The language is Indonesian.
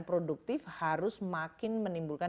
produktif harus makin menimbulkan